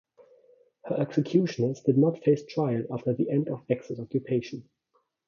Her executioners did not face trial after the end of Axis occupation.